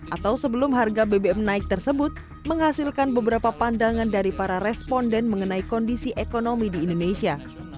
atau sebelum harga bbm naik tersebut menghasilkan beberapa pandangan dari para responden mengenai kondisi ekonomi di indonesia